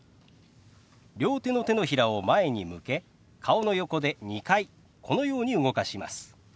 両手の手のひらを前に向け顔の横で２回このように動かします。